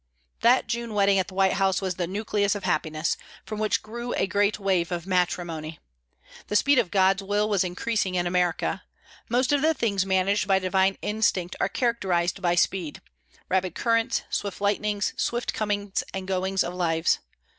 That June wedding at the White House was the nucleus of happiness, from which grew a great wave of matrimony. The speed of God's will was increasing in America. Most of the things managed by divine instinct are characterised by speed rapid currents, swift lightnings, swift coming and going of lives.